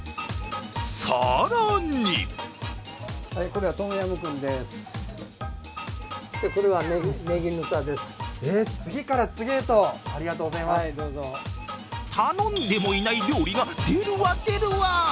更に頼んでもいない料理が出るわ出るわ。